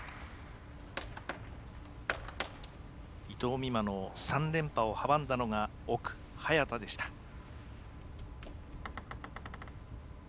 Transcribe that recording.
伊藤美誠の３連覇を阻んだのが奥、早田でした。